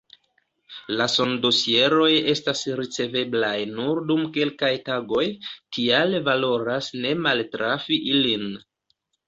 La sondosieroj estas riceveblaj nur dum kelkaj tagoj, tial valoras ne maltrafi ilin.